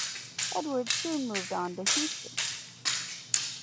Edward soon moved on to Houston.